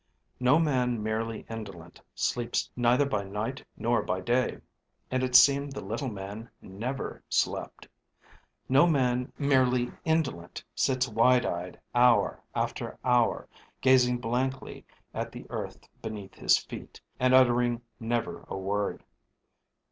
No man merely indolent sleeps neither by night nor by day; and it seemed the little man never slept. No man merely indolent sits wide eyed hour after hour, gazing blankly at the earth beneath his feet and uttering never a word.